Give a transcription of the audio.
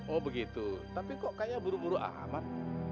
oh begitu tapi kok kayaknya buru buru ahmad